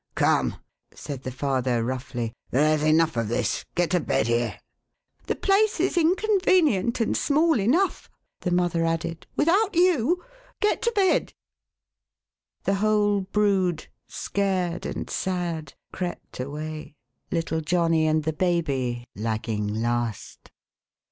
"Come!" said the father, roughly. "There's enough of this. Get to bed here !" "The place is inconvenient and small enough,1' the mother added, " without you. Get to bed !" The whole brood, scared and sad, crept away ; little Johnny THE SICK STUDENT. 46 > and the baby lagging last.